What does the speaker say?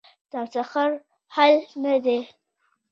تمسخر حل نه دی.